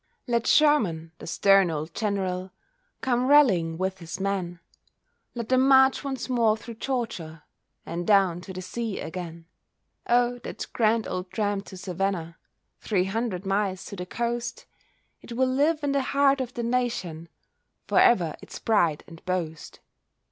Let Sherman, the stern old General, Come rallying with his men; Let them march once more through Georgia And down to the sea again. Oh! that grand old tramp to Savannah, Three hundred miles to the coast, It will live in the heart of the nation, For ever its pride and boast.